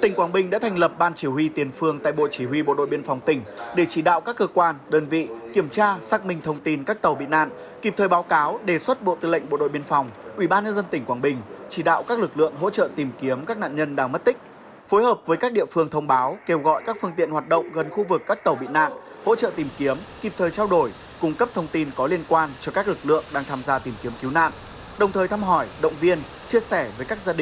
tỉnh quảng bình đã thành lập ban chỉ huy tiền phương tại bộ chỉ huy bộ đội biên phòng tỉnh để chỉ đạo các cơ quan đơn vị kiểm tra xác minh thông tin các tàu bị nạn kịp thời báo cáo đề xuất bộ tư lệnh bộ đội biên phòng ubnd tỉnh quảng bình chỉ đạo các lực lượng hỗ trợ tìm kiếm các nạn nhân đang mất tích phối hợp với các địa phương thông báo kêu gọi các phương tiện hoạt động gần khu vực các tàu bị nạn hỗ trợ tìm kiếm kịp thời trao đổi cung cấp thông tin có liên quan cho các lực lượng đang tham gia t